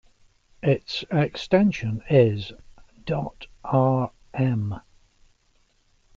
Its extension is ".rm".